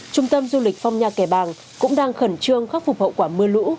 trung tâm du lịch phong nha kẻ bàng cũng đang khẩn trương khắc phục hậu quả mưa lũ